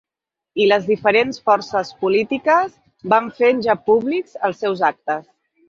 I les diferents forces polítiques van fent ja públics els seus actes.